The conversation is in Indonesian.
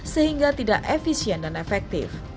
sehingga tidak efisien dan efektif